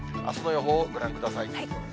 あすの予報をご覧ください。